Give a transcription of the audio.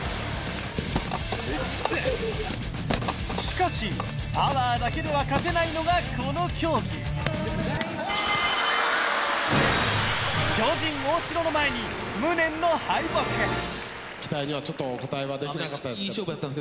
しかしパワーだけでは勝てないのがこの競技巨人・大城の前に無念の敗北期待にはちょっとお応えはできなかったですかね。